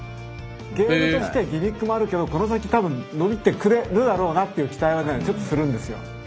ゲームとしてはギミックもあるけどこの先多分伸びてくれるだろうなっていう期待はねちょっとするんですよ。